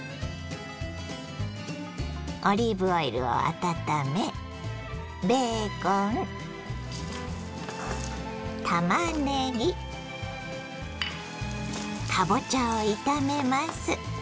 オリーブオイルを温めベーコンたまねぎかぼちゃを炒めます。